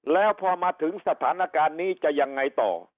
แล้วพอมาถึงสถานการณ์นี้จะยังไงต่อ